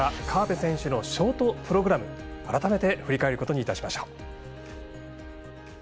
河辺選手のショートプログラム改めて振り返ることにいたしましょう。